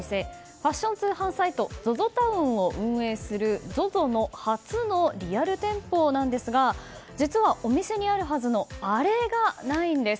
ファッション通販サイトＺＯＺＯＴＯＷＮを運営するＺＯＺＯの初のリアル店舗なんですが実は、お店にあるはずのあれがないんです。